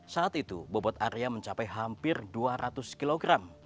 saat itu bobot area mencapai hampir dua ratus kg